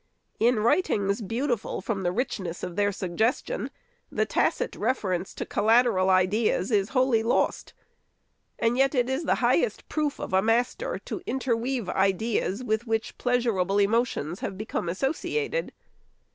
In writings, beautiful from the richness of their suggestion, the tacit reference to collateral ideas is wholly lost ; and yet it is the highest proof of a master, to interweave ideas with which pleasurable emotions have become associated.